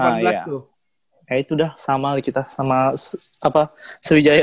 kayaknya itu udah sama kita sama seri ujaya